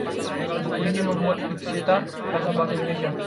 buku ini memuat ikhtisar tata bahasa Indonesia